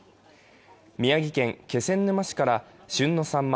宮城県気仙沼市から旬のさんま